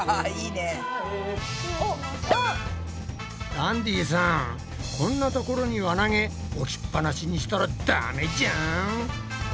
ダンディさんこんなところに輪投げ置きっぱなしにしたらダメじゃん！